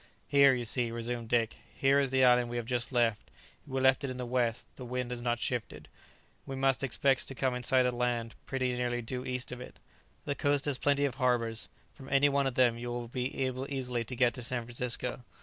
"Here, you see," resumed Dick, "here is the island we have just left; we left it in the west; the wind has not shifted; we must expect to come in sight of land, pretty nearly due east of it. The coast has plenty of harbours. From any one of them you will be able easily to get to San Francisco.